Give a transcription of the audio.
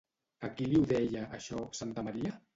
A qui li ho deia, això, Santamaría?